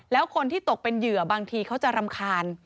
แล้วคนที่ตกเป็นเหยื่อบางทีเขาจะรำคาญ